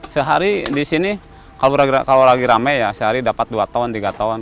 sehari disini kalau lagi rame ya sehari dapat dua tiga tahun